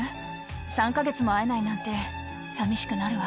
３か月も会えないなんて、さみしくなるわ。